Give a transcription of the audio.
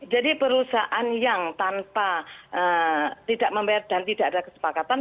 jadi perusahaan yang tanpa tidak membayar dan tidak ada kesepakatan